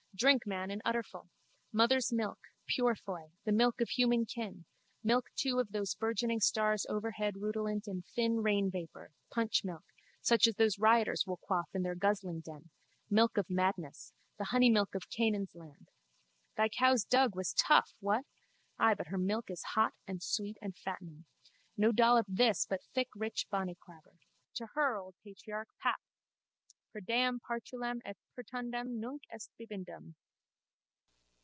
Drink, man, an udderful! Mother's milk, Purefoy, the milk of human kin, milk too of those burgeoning stars overhead rutilant in thin rainvapour, punch milk, such as those rioters will quaff in their guzzling den, milk of madness, the honeymilk of Canaan's land. Thy cow's dug was tough, what? Ay, but her milk is hot and sweet and fattening. No dollop this but thick rich bonnyclaber. To her, old patriarch! Pap! _Per deam Partulam et Pertundam nunc est bibendum!